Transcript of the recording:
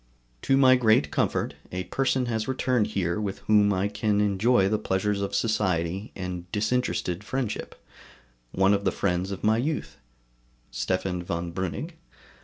To my great comfort, a person has returned here with whom I can enjoy the pleasures of society and disinterested friendship, one of the friends of my youth [Stephan von Breuning].